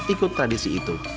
ikut tradisi itu